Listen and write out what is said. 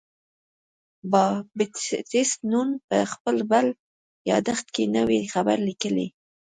بابټیست نون په خپل بل یادښت کې نوی خبر لیکي.